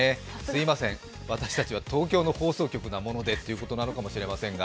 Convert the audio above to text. すみません、私たちは東京の放送局なものでということなのかもしれませんが。